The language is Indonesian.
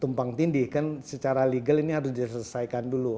tumpang tindih kan secara legal ini harus diselesaikan dulu